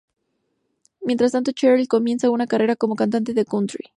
Mientras tanto Cheryl comienza una carrera como cantante de country.